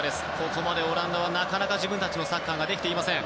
ここまでオランダはなかなか自分たちのゲームをできていません。